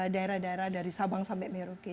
daerah daerah dari sabang sampai merauke